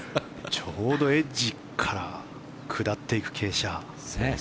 ちょうどエッジから下っていく傾斜。